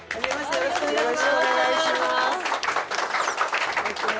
よろしくお願いします。